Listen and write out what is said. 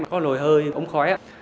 có lồi hơi ống khói